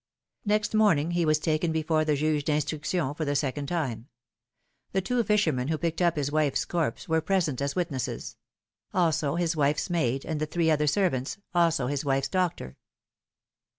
Next morning he was taken before the Juge dlnstruction for the second time. The two fishermen who picked up his wife's corpse were present as witnesses ; also his wife's maid, and the three other servants ; also his wife's doctor.